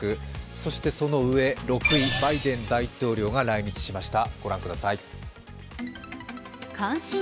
そしてその上、６位バイデン大統領が来日しました。